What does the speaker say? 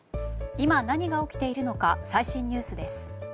今何が起きているのか最新ニュースです。